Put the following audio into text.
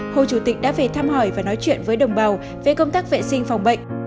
hồ chủ tịch đã về thăm hỏi và nói chuyện với đồng bào về công tác vệ sinh phòng bệnh